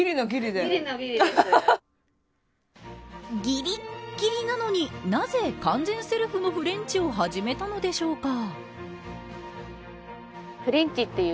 ぎりっぎりなのになぜ完全セルフのフレンチを始めたのでしょうか。